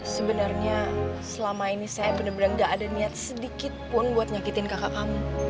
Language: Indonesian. sebenarnya selama ini saya bener bener gak ada niat sedikit pun buat nyakitin kakak kamu